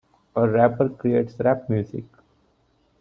A rapper creates rap music.